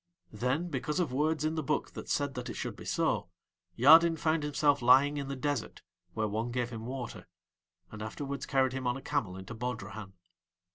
Then because of words in the book that said that it should be so, Yadin found himself lying in the desert where one gave him water, and afterwards carried him on a camel into Bodrahan.